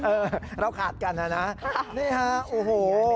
เออเราขาดกันนะนะนี่ฮะโอ้โห